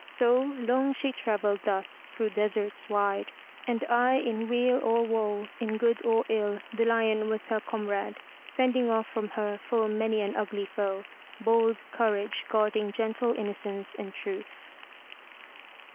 So, long she travelled thus through deserts wide, and aye in weal or woe, in good or ill, the lion was her comrade, fending off from her full many an ugly foe, — bold courage guard ing gentle innocence and truth.